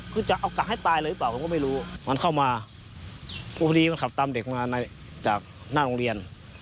พอดีผมขับตามเด็กมาจากหน้าโรงเรียน